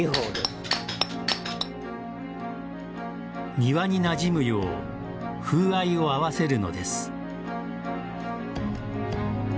庭に、なじむよう風合いを合わせるのです。